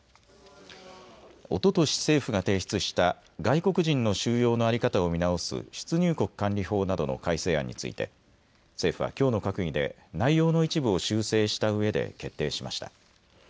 おととし政府が提出した外国人の収容の在り方を見直す出入国管理法などの改正案について政府はきょうの閣議で内容の一部を修正したうえで決定しました。